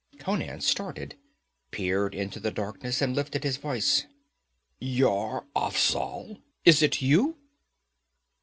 Conan started, peered into the darkness and lifted his voice. 'Yar Afzal! Is it you?'